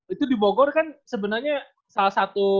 itu di bogor kan sebenarnya salah satu